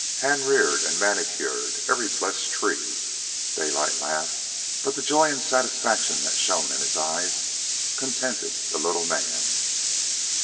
"Hand reared and manicured, every blessed tree," Daylight laughed, but the joy and satisfaction that shone in his eyes contented the little man.